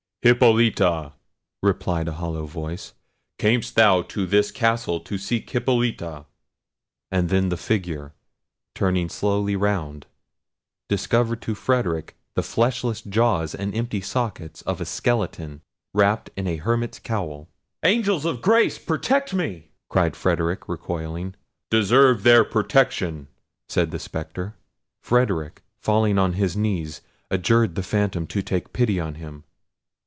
"Hippolita!" replied a hollow voice; "camest thou to this castle to seek Hippolita?" and then the figure, turning slowly round, discovered to Frederic the fleshless jaws and empty sockets of a skeleton, wrapt in a hermit's cowl. "Angels of grace protect me!" cried Frederic, recoiling. "Deserve their protection!" said the Spectre. Frederic, falling on his knees, adjured the phantom to take pity on him.